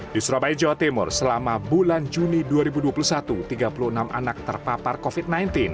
di surabaya jawa timur selama bulan juni dua ribu dua puluh satu tiga puluh enam anak terpapar covid sembilan belas